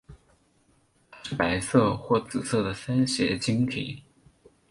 它是白色或紫色的三斜晶体。